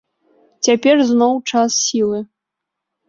Цяпер зноў час сілы.